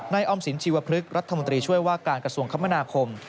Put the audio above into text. ออมสินชีวพฤกษรัฐมนตรีช่วยว่าการกระทรวงคมนาคม